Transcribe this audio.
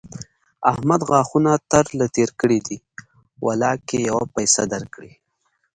احمد غاښونه تر له تېر کړي دي؛ ولاکه يوه پيسه در کړي.